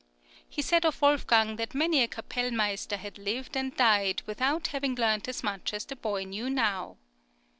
"[20047] He said of Wolfgang that many a kapellmeister had lived and died without having learnt as much as the boy knew now.